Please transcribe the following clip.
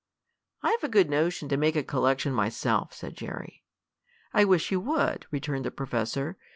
"I've a good notion to make a collection myself," said Jerry. "I wish you would," returned the professor.